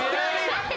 待って。